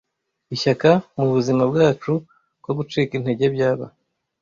Ishyaka mubuzima bwacu ko gucika intege byaba